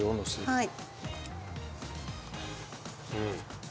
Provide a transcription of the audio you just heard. はい。